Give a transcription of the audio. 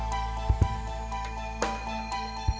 dia mau coba gak nih